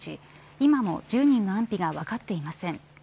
今も１０人の安否が分かっていません。